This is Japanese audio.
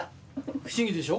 不思議でしょ？